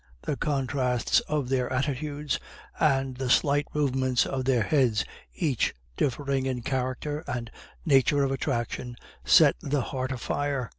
The contrasts of their attitudes and the slight movements of their heads, each differing in character and nature of attraction, set the heart afire.